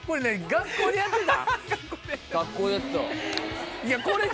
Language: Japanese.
学校でやってた。